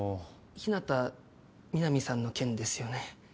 日向みなみさんの件ですよね？